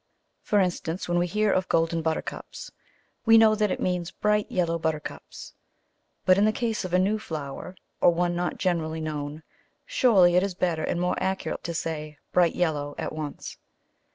For instance, when we hear of golden buttercups, we know that it means bright yellow buttercups; but in the case of a new flower, or one not generally known, surely it is better and more accurate to say bright yellow at once.